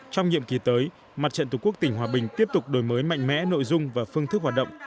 trong nhiệm kỳ tới mặt trận tổ quốc tỉnh hòa bình tiếp tục đổi mới mạnh mẽ nội dung và phương thức hoạt động